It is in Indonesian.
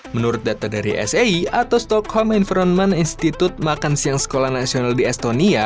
menurut data dari sai atau stockholm environment institute makan siang sekolah nasional di estonia